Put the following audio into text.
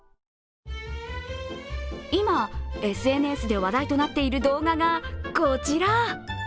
今、ＳＮＳで話題となっている動画がこちら。